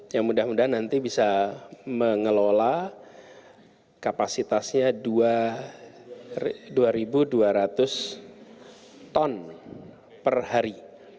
yang mudah mudahan nanti bisa mengelola kapasitasnya dua dua ratus ton per hari